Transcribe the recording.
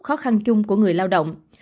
khó khăn chung của người lao động